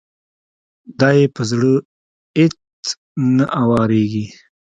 دا يې په زړه اېڅ نه اوارېږي.